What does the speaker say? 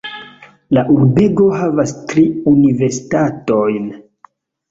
La urbego havas tri universitatojn.